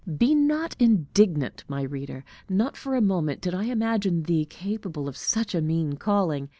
Be not indignant, my reader: not for a moment did I imagine thee capable of such a mean calling!